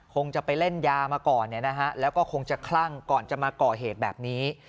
คงจะไปเล่นยามาก่อนแล้วก็คงจะคลั่งก่อนจะมาก่อเหตุแบบนี้